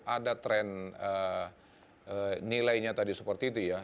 ada tren nilainya tadi seperti itu ya